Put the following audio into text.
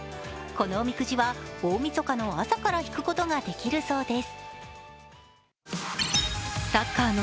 このおみくじは、大みそかの朝から引くことができるそうです。